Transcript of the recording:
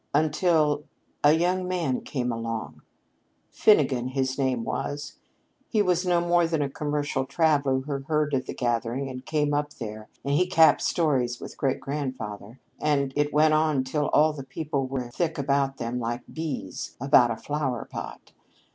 "Until a young man came along. Finnegan, his name was. He was no more than a commercial traveler who heard of the gathering and came up there, and he capped stories with great grandfather, and it went on till all the people were thick about them like bees around a flower pot.